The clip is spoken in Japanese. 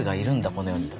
この世にと。